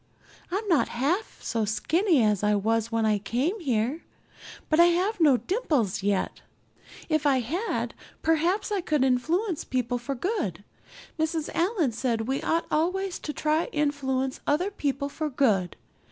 I'm not half so skinny as I was when I came here, but I have no dimples yet. If I had perhaps I could influence people for good. Mrs. Allan said we ought always to try to influence other people for good.